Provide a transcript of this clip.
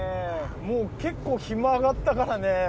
もう結構日もあがったからね。